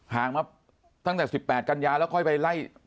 ห่างมาตั้งแต่๑๘กัญญาแล้วก็ไปไหล่